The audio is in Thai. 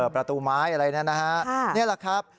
ประตูไม้อะไรแบบนั้นนะฮะนี่แหละครับ